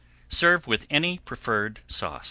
Serve with any preferred sauce.